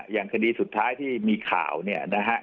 อย่างคดีสุดท้ายที่มีข่าวเนี่ยนะฮะ